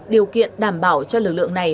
điều kiện đảm bảo cho lực lượng này